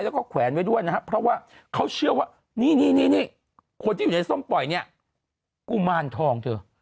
แล้วก็แขวนไว้ด้วยนะครับเพราะว่าเขาเชื่อว่านี่คนที่อยู่ในส้มปล่อยเนี่ยกุมารทองเธอ